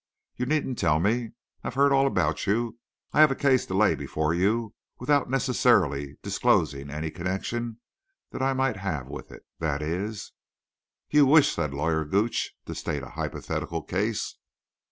"You needn't tell me. I've heard all about you. I have a case to lay before you without necessarily disclosing any connection that I might have with it—that is—" "You wish," said Lawyer Gooch, "to state a hypothetical case.